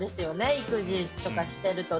育児とかしてると。